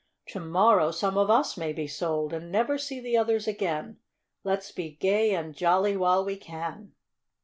To morrow some of us may be sold, and never see the others again. Let's be gay and jolly while we can!"